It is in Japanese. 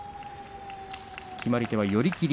決まり手は寄り切り